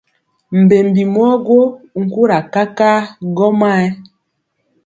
Mbembi mɔɔ gwo nkura kakaa gɔmayɛ.